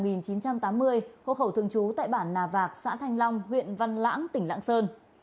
gỗ khẩu thường trú tại bản nà vạc xã thanh long huyện văn lãng tỉnh lãng sơn